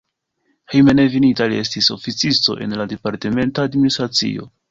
Hejmenveninta li estis oficisto en la departementa administracio.